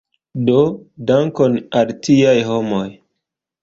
Do, dankon al tiaj homoj!